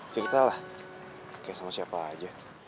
cerita lah kayak sama siapa aja